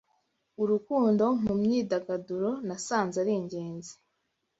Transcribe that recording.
Urukundo mu myidagaduro nasanze ari ingenzi